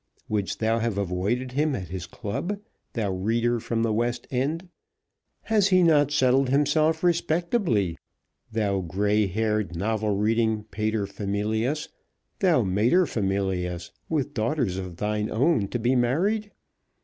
Wouldst thou have avoided him at his club, thou reader from the West end? Has he not settled himself respectably, thou grey haired, novel reading paterfamilias, thou materfamilias, with daughters of thine own to be married?